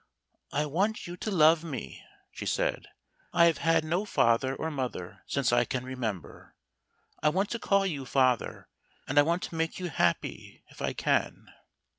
"I want you to love me," she said; "I have had no father or mother since I can remember. I want to call you father, and I want to make you happy if I can."